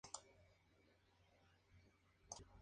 Está dirigido por Spike Lee.